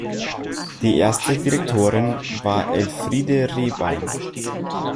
Die erste Direktorin war Elfriede Rehbein.